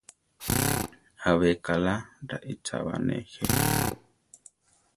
Abe kaʼla raícha ba, néje?